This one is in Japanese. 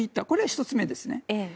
これが１つ目です。